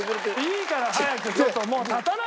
いいから早くちょっともう立たないで！